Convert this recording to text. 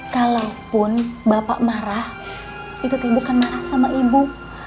kalaupun bapak marah itu tuh bukan marah sama ibu